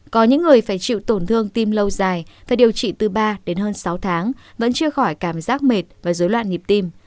có những người phải chịu tổn thương tim lâu dài phải điều trị từ ba đến hơn sáu tháng vẫn chưa khỏi cảm giác mệt và dối loạn nhịp tim